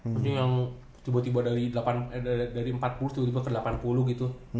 tapi yang tiba tiba dari empat puluh tiba tiba ke delapan puluh gitu